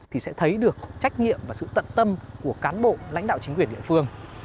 thì sẽ thấy được trách nhiệm và sự tận tâm của cán bộ lãnh đạo chính quyền địa phương